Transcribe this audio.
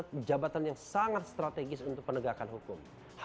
itu adalah jabatan yang sangat strategis untuk penegakan hukum